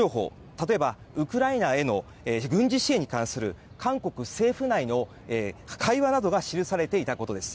例えば、ウクライナへの軍事支援に関する韓国政府内の会話などが記されていたことです。